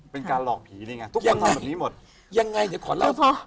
เป็นการหลอกผีเลยไงทุกคนทำแบบนี้หมด